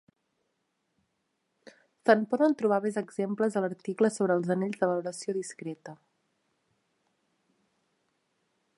Se'n poden trobar més exemples a l'article sobre els anells de valoració discreta.